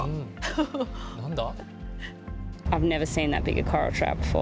なんだ？